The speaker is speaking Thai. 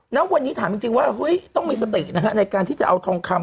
แล้ววันนี้ถามจริงว่าต้องมีสติในการที่จะเอาทองคำ